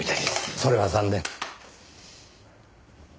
それは残念。